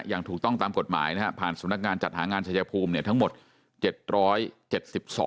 ยังไม่อยากกลับหรอกค่ะว่าเราก็ยังอยู่ปลอดภัยดีอยู่